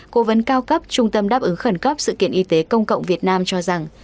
cố vấn cao cấp trung tâm đáp ứng khẩn cấp sự kiện y tế công cộng việt nam cho rằng